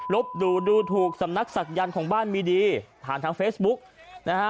บหลู่ดูถูกสำนักศักยันต์ของบ้านมีดีผ่านทางเฟซบุ๊กนะฮะ